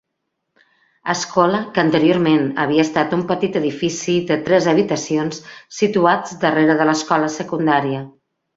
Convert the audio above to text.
Escola que anteriorment havia estat un petit edifici de tres habitacions situat darrera de l'escola secundària.